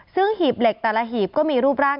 ซึ่งหีบเหล็กแต่ละหีบก็มีรูปร่าง